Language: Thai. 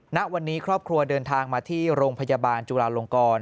ณวันนี้ครอบครัวเดินทางมาที่โรงพยาบาลจุลาลงกร